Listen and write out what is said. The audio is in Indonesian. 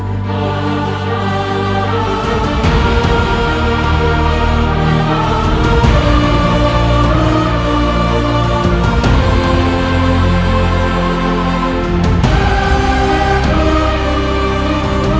kita harus untuk berubah